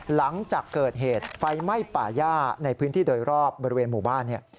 หลังจากเกิดเหตุไฟไหม้ป่าย่าในพื้นที่โดยรอบบริเวณหมู่บ้านเนี่ย